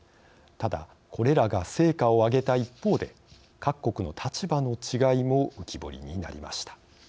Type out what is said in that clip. ただ、これらが成果を挙げた一方で、各国の立場の違いも浮き彫りになりました。